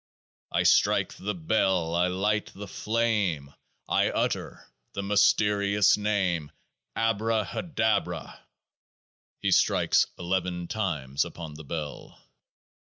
I strike the Bell : I light the flame : I utter the mysterious Name. ABRAHADABRA 55 He strikes Eleven times upon the Bell.